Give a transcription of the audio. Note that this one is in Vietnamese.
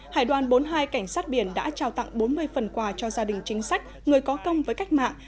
hải đoàn bốn mươi hai cảnh sát biển đã trao tặng bốn mươi phần quà cho gia đình chính sách người có công với cách mạng